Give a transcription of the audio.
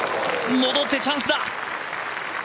戻ってチャンスだ。